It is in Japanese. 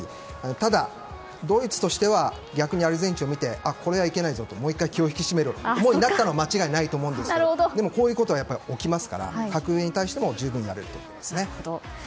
ただ、ドイツとしては逆にアルゼンチンを見てこれはいけないぞと、もう１回気を引き締める思いになったのは間違いないと思うんですがこういうことは起きますから格上に対しても十分にやれると思いますね。